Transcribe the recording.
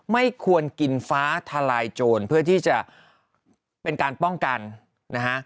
ไม่ควรกินฟ้าทลายโจรเพื่อที่จะเป็นการป้องกันนะฮะ